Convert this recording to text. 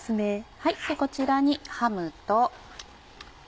こちらにハムと。